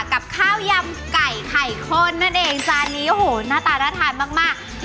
กับข้าวยำไก่ไข่ข้นนั่นเองจานนี้โอ้โหหน้าตาน่าทานมาก